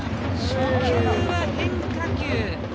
初球は変化球。